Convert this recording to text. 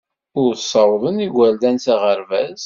Ur ssawḍen igerdan s aɣerbaz.